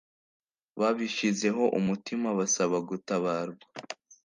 babishyizeho umutima basaba gutabarwa,